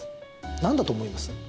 なんだと思います？